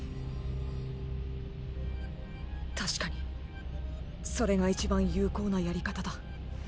確かにそれが一番有効なやり方だ。！